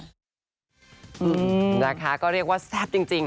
ราคาก็เรียกว่าแซ่บจริง